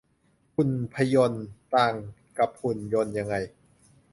หุ่นพยนต์ ต่างกับหุ่นยนต์อย่างไร